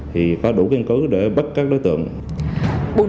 thì có đủ kiên cứ để bắt các đối tượng